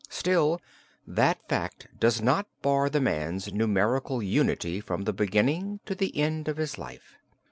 Still that fact does not bar the man's numerical unity from the beginning to the end of his life.